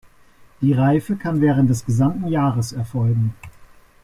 Die Reife kann während des gesamten Jahres erfolgen.